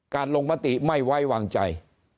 การลงปติไม่ไววางใจ